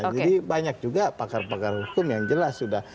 jadi banyak juga pakar pakar hukum yang jelas sudah